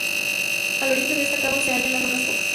Al oriente de este cabo se hallan las Rocas Foca.